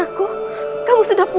aku bisa melihat dirimu